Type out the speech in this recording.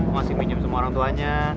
masih pinjam semua orang tuanya